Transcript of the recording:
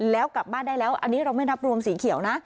แล้วกลับบ้านได้แล้วอันนี้เราไม่นับรวมสีเขียวนะ